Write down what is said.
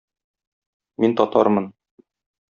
Мин татармын...